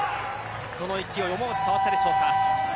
その勢い思わず触ったでしょうか？